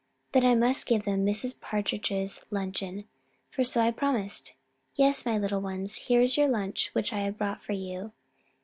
Then I must give them Mrs. Partridge's luncheon, for so I promised. Yes, my little ones, here is your lunch which I brought for you.